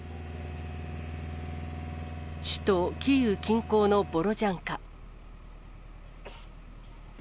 首都キーウ近郊のボロジャンカ。